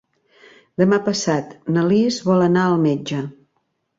Demà passat na Lis vol anar al metge.